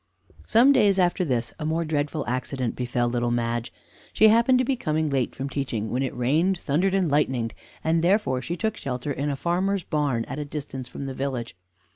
Some days after this, a more dreadful accident befell Little Madge. She happened to be coming late from teaching, when it rained, thundered, and lightened and therefore she took shelter in a farmer's barn at a distance from the village.